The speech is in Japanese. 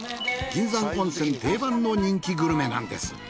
銀山温泉定番の人気グルメなんです。